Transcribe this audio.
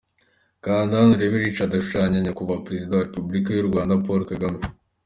Kanda Hano urebe Richard ashushanya Nyakubahwa Perezida wa Repubulika y'u Rwanda, Paul Kagame.